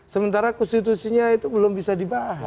sementara konstitusinya itu belum bisa dibahas